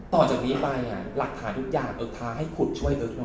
ต่อจากนี้ไปหลักทาทุกอย่างเอิ๊กทาให้ขุดช่วยเอิ๊กหน่อย